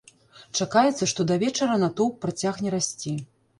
Чакаецца, што да вечара натоўп працягне расці.